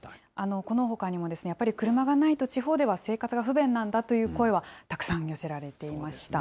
このほかにも、やっぱり車がないと地方では生活が不便なんだという声は、たくさん寄せられていました。